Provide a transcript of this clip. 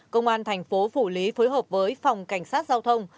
công an thành phố phủ lý phối hợp với phòng cảnh sát giao thông